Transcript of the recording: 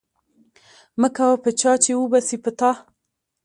مه کوه په چا وبه سي په تا.